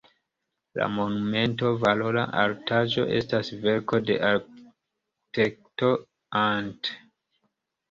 La monumento, valora artaĵo, estas verko de arkitekto Ant.